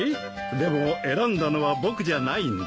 でも選んだのは僕じゃないんだ。